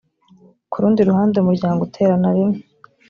ku rundi ruhande umuryango uterana rimwe